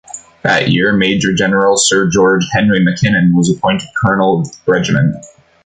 That year, Major-General Sir George Henry MacKinnon was appointed colonel of the regiment.